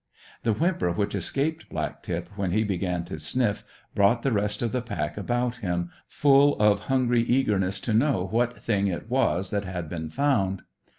The whimper which escaped Black tip when he began to sniff, brought the rest of the pack about him, full of hungry eagerness to know what thing it was that had been found.